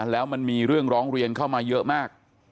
แล้วมันมีเรื่องร้องเรียนเข้ามาเยอะมาก